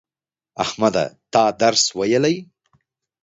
احمده تا درس ویلی